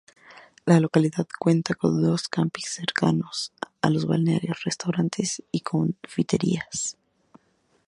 La localidad cuenta con dos campings cercanos a los balnearios, restaurantes y confiterías.